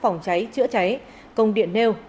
phòng cháy chữa cháy công điện nêu